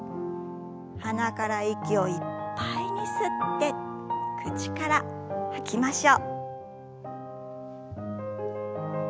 鼻から息をいっぱいに吸って口から吐きましょう。